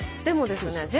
でもですね